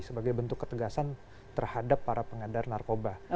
sebagai bentuk ketegasan terhadap para pengedar narkoba